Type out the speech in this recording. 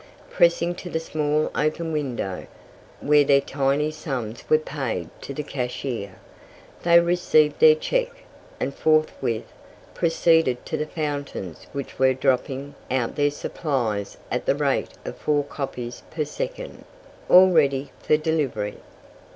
Pressing to the small open window, where their tiny sums were paid to the cashier, they received their check, and forthwith proceeded to the fountains which were dropping out their supplies at the rate of four copies per second, all ready for delivery.